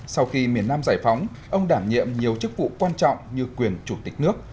sau khi miền nam giải phóng ông đảm nhiệm nhiều chức vụ quan trọng như quyền chủ tịch nước